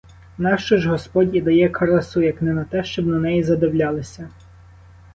Нащо ж господь і дає красу, як не на те, щоб на неї задивлялися?